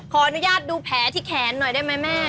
ขออนุญาตดูแผลที่แขนหน่อยได้ไหมแม่